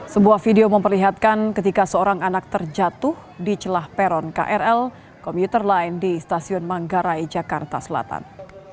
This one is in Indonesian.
sebuah video memperlihatkan ketika seorang anak terjatuh di celah peron krl komuter line di stasiun manggarai jakarta selatan